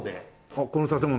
あっこの建物？